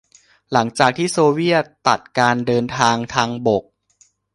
หลังจากที่โซเวียตตัดการเดินทางทางบก